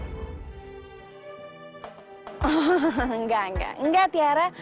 enggak enggak enggak tiara